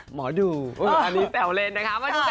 หมอดูอันนี้แต่วเลนนะคะมาดูกัน